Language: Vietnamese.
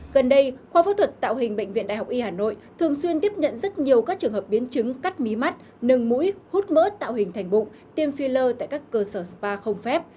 gần đây khoa phẫu thuật tạo hình bệnh viện đại học y hà nội thường xuyên tiếp nhận rất nhiều các trường hợp biến chứng cắt mí mắt nâng mũi hút mỡ tạo hình thành bụng tiêm filler tại các cơ sở spa không phép